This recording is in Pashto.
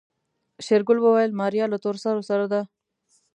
شېرګل وويل ماريا له تورسرو سره ده.